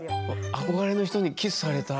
憧れの人にキスされた。